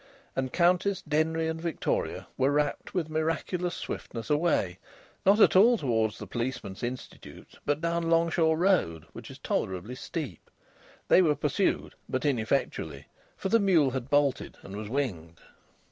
And Countess, Denry, and victoria were rapt with miraculous swiftness away not at all towards the Policemen's Institute, but down Longshaw Road, which is tolerably steep. They were pursued, but ineffectually. For the mule had bolted and was winged.